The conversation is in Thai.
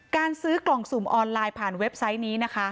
การซื้อกล่องสุ่มออนไลน์ผ่านเว็บไซต์นี้นะคะ